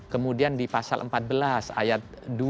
kemudian di pasal empat belas ayat dua